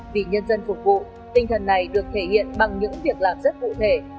vì nhân dân phục vụ tinh thần này được thể hiện bằng những việc làm rất cụ thể